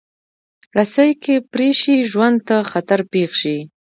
رسۍ که پرې شي، ژوند ته خطر پېښ شي.